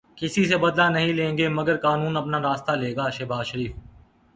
کسی سے بدلہ نہیں لیں گے مگر قانون اپنا راستہ لے گا، شہباز شریف